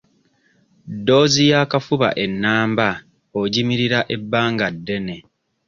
Ddoozi y'akafuba ennamba ogimirira ebbanga ddene